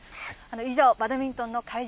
以上、バドミントンの会場